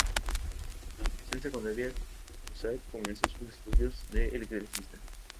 Tras su educación secundaria, Cusack comenzó sus estudios de electricista.